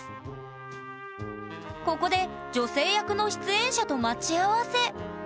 ここで女性役の出演者と待ち合わせ！